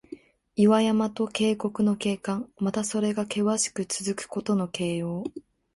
岩山と渓谷の景観。また、それがけわしくつづくことの形容。